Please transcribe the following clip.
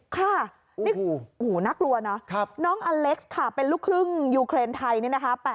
ค่ะนี่โอ้โหน่ากลัวนะน้องอเล็กซ์ค่ะเป็นลูกครึ่งยูเครนไทยเนี่ยนะคะ